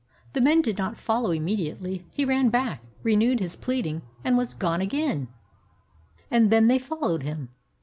The men did not follow immediately. He ran back, renewed his pleading, and was gone again. And then they followed him.